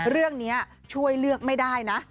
เรื่องนี้ช่วยเลือกไม่ได้นะ